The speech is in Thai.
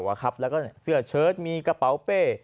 และก็เสื้อเชิงที่มีกระเป๋าเฟ่